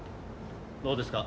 どうですか？